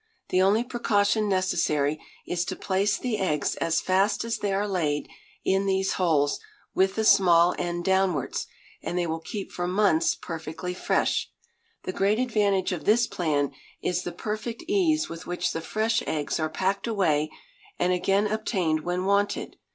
The only precaution necessary is to place the eggs as fast as they are laid in these holes, with the small end downwards, and they will keep for months perfectly fresh. The great advantage of this plan is the perfect ease with which the fresh eggs are packed away, and again obtained when wanted.